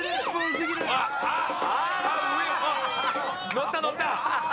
乗った乗った。